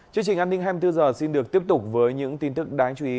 chương trình an ninh hai mươi bốn h xin được tiếp tục với những tin tức đáng chú ý